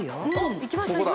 行きました。